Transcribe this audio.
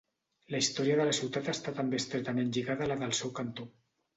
La història de la ciutat està també estretament lligada a la del seu cantó.